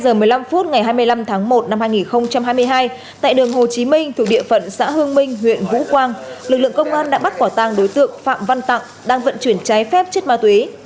vào hồi hai mươi hai h một mươi năm phút ngày hai mươi năm tháng một năm hai nghìn hai mươi hai tại đường hồ chí minh thuộc địa phận xã hương minh huyện vũ quang lực lượng công an đã bắt quả tàng đối tượng phạm văn tặng đang vận chuyển trái phép chất ma túy